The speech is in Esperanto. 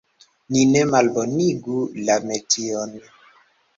Ni ne malbonigu la metion!